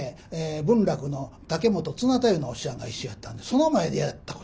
文楽の竹本綱太夫のお師匠はんが一緒やったんでその前でやったことがあるんです。